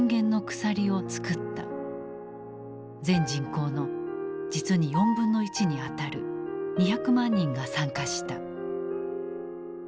全人口の実に４分の１に当たる２００万人が参加した。